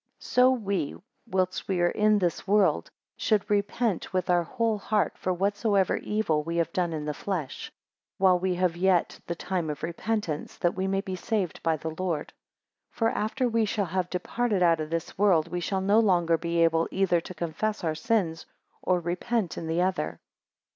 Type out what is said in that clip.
15 So we, whilst we are in this world should repent with our whole heart for whatsoever evil we have done in the flesh; while we have yet the time of repentance, that we may be saved by the Lord. 16 For after we shall have departed out of this world, we shall no longer be able either to confess our sins or repent in the other.